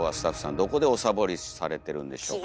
どこでおサボりされてるんでしょうか。